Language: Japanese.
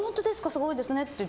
すごいですねって。